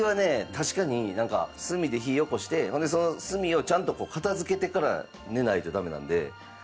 確かになんか炭で火おこしてほんでその炭をちゃんと片付けてから寝ないとダメなんで。